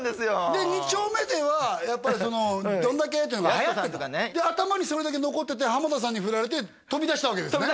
で２丁目ではやっぱりそのどんだけってのがはやってたで頭にそれだけ残ってて浜田さんに振られて飛び出したわけですね